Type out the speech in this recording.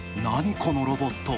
このロボット。